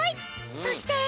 そして。